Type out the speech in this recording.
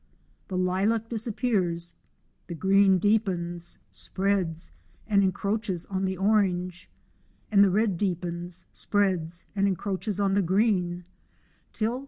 The lilac disappears ; the green deepens, spreads, and en croaches on the orange ; and the red deepens, spreads, and encroaches on the green, til!